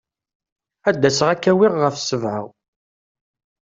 Ad d-aseɣ ad k-awiɣ ɣef sebɛa.